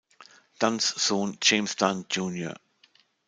Dunns Sohn James Dunn jr.